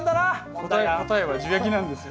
答えは樹液なんですよ。